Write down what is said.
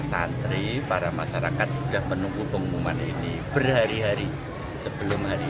santri para masyarakat sudah menunggu pengumuman ini berhari hari sebelum hari